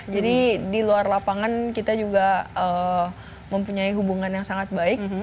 jadi di luar lapangan kita juga mempunyai hubungan yang sangat baik